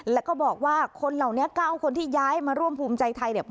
แล้วก็บอกว่าคนเหล่านี้๙คนที่ย้ายมาร่วมภูมิใจไทยเนี่ย